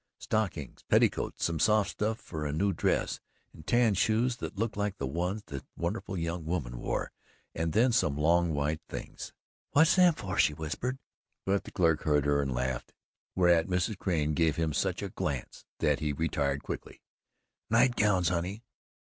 Stockings, petticoats, some soft stuff for a new dress and TAN shoes that looked like the ones that wonderful young woman wore and then some long white things. "What's them fer?" she whispered, but the clerk heard her and laughed, whereat Mrs. Crane gave him such a glance that he retired quickly. "Night gowns, honey."